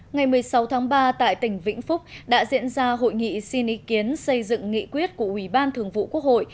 ngày một mươi sáu tháng ba tại tỉnh vĩnh phúc đã diễn ra hội nghị xin ý kiến xây dựng nghị quyết của ubthqh